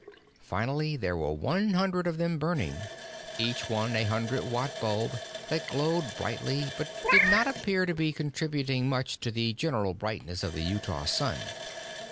Finally there were one hundred of them burning, each one a hundred watt bulb that glowed brightly but did not appear to be contributing much to the general brightness of the Utah sun.